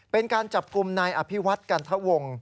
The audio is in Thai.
เป็นการจับกลุ่มนายอภิวัฒน์กันทะวง